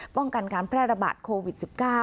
ป้องกันการแพร่ระบาดโควิด๑๙